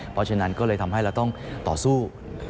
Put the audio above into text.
เพราะฉะนั้นก็เลยทำให้เราต้องต่อสู้